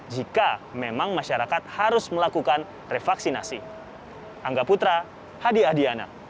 jika memang masyarakat harus melakukan revaksinasi